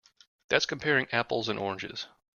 That's comparing apples and oranges.